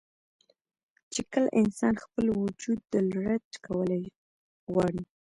چې کله انسان خپل وجود الرټ کول غواړي